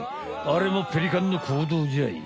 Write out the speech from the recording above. あれもペリカンの行動じゃい。